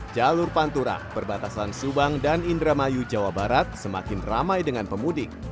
jalur pantura perbatasan subang dan indramayu jawa barat semakin ramai dengan pemudik